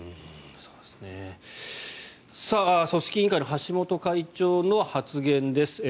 組織委員会の橋本会長の発言です。